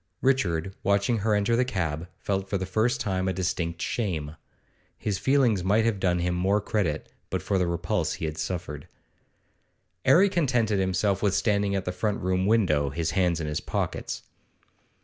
Richard, watching her enter the cab, felt for the first time a distinct shame. His feelings might have done him more credit but for the repulse he had suffered. 'Arry contented himself with standing at the front room window, his hands in his pockets.